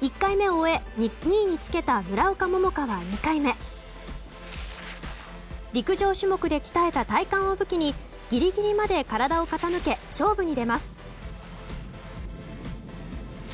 １回目を終え、２位につけた村岡桃佳は２回目陸上種目で鍛えた体幹を武器にギリギリまで体を傾け勝負に出ます。